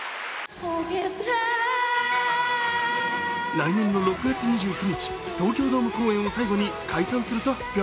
来年の６月２９日、東京ドーム公演を最後に解散すると発表。